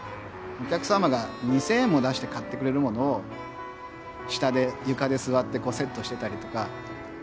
お客様が２，０００円も出して買ってくれるものを下で床で座ってセットしていたりとか。